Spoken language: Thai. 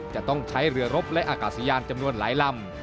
จะต้องใช้เรือรบและอากาศยานจำนวนหลายลำ